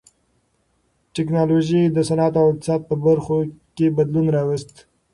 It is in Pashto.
ټکنالوژۍ د صنعت او اقتصاد په برخو کې بدلون راوست.